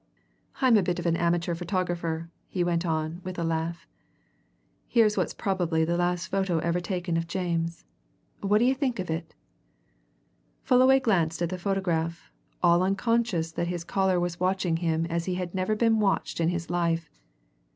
"I'm a bit of an amateur photographer," he went on, with a laugh. "Here's what's probably the last photo ever taken of James. What d'ye think of it?" Fullaway glanced at the photograph, all unconscious that his caller was watching him as he had never been watched in his life.